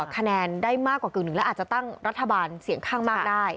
คะแนนได้มากกว่ากึ่งหนึ่งและอาจจะตั้งรัฐบาลเสียงข้างมากได้